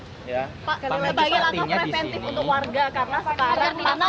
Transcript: pak kalian ada presentif untuk warga karena sekarang